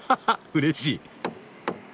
うれしい。